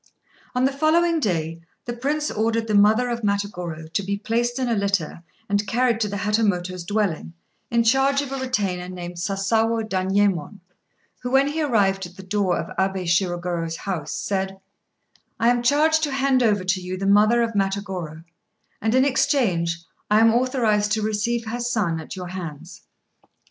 On the following day, the Prince ordered the mother of Matagorô to be placed in a litter and carried to the Hatamoto's dwelling, in charge of a retainer named Sasawo Danyémon, who, when he arrived at the door of Abé Shirogorô's house, said "I am charged to hand over to you the mother of Matagorô, and, in exchange, I am authorized to receive her son at your hands."